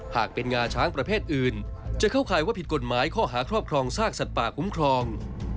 หากเป็นงาช้างประเภทอื่นจะเข้าข่ายว่าผิดกฎหมายข้อหาครอบครองซากสัตว์ป่าคุ้มครอง